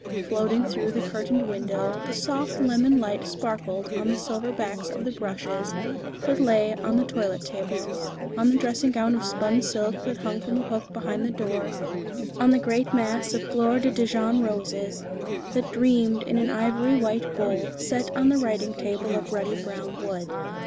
Floating through the curtained window the soft lemon light sparkled on the silver backs of the brushes that lay on the toilet table, on the dressing gown of spun silk that hung from a hook behind the door, on the great mass of gloire de Dijon roses, that dreamed in an ivory white bowl set on the writing table of ruddy brown wood.